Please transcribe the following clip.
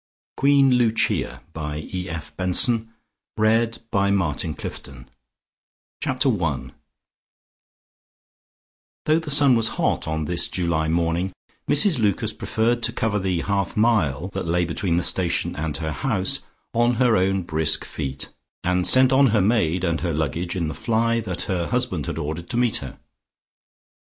Queen Lucia by E. F. Benson Chapter ONE Though the sun was hot on this July morning Mrs Lucas preferred to cover the half mile that lay between the station and her house on her own brisk feet, and sent on her maid and her luggage in the fly that her husband had ordered to meet her.